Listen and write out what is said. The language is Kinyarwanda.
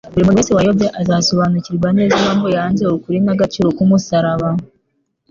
buri muntu wese wayobye azasobanukirwa neza impamvu yanze ukuri n'agaciro k'umusaraba.